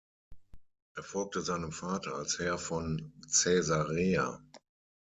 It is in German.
Er folgte seinem Vater als Herr von Caesarea.